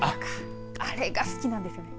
あれが好きなんですよ。